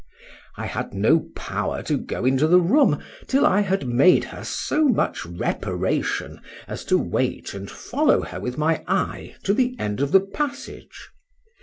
I had no power to go into the room, till I had made her so much reparation as to wait and follow her with my eye to the end of the passage.